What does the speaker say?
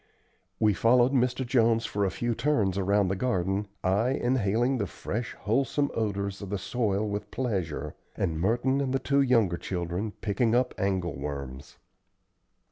We followed Mr. Jones for a few turns around the garden, I inhaling the fresh wholesome odors of the soil with pleasure, and Merton and the two younger children picking up angle worms.